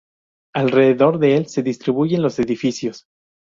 Alrededor de el se distribuyen los edificios.